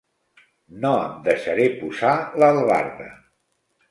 No em deixaré posar l'albarda.